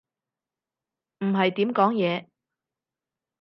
唔係點講嘢